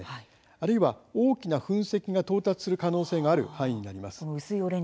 あるいは大きな噴石が到達する可能性がある範囲になります。